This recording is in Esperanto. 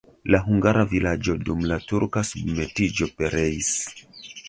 La hungara vilaĝo dum la turka submetiĝo pereis.